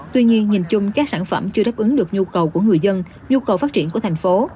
tuy nhiên nhìn chung các sản phẩm chưa đáp ứng được nhu cầu của người dân nhu cầu phát triển của thành phố